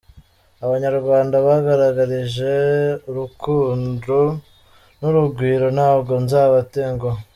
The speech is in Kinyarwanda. Abanyarwanda bangaragarije urukundo n’urugwiro, ntabwo nzabatenguha.